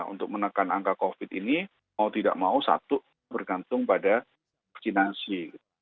untuk menekan angka covid ini mau tidak mau satu bergantung pada vaksinasi